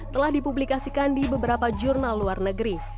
telah dipublikasikan di beberapa jurnal luar negeri